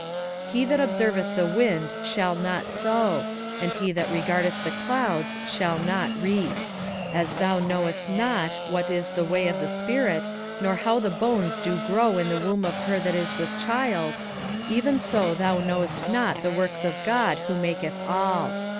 21:011:004 He that observeth the wind shall not sow; and he that regardeth the clouds shall not reap. 21:011:005 As thou knowest not what is the way of the spirit, nor how the bones do grow in the womb of her that is with child: even so thou knowest not the works of God who maketh all.